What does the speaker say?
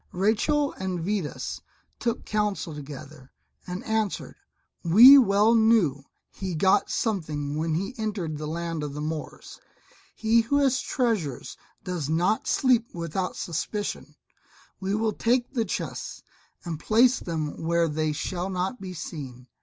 Rachel and Vidas took counsel together and answered, "We well knew he got something when he entered the land of the Moors; he who has treasures does not sleep without suspicion; we will take the chests, and place them where they shall not be seen.